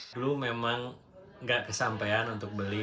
dulu memang nggak kesampean untuk beli